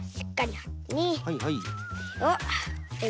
はいはい。